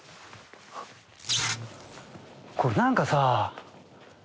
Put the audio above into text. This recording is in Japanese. これ何かさ。